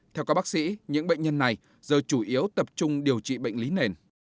theo các bác sĩ những bệnh nhân này giờ chủ yếu tập trung điều trị bệnh lý nền